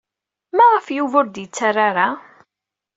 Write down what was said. Maɣef Yuba ur d-yettarra?